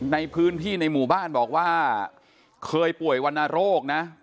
ในพื้นที่ในหมู่บ้านบอกว่าเคยป่วยวรรณโรคนะ